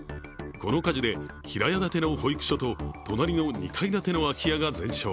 この火事で平屋建ての保育所と隣の２階建ての空き家が全焼。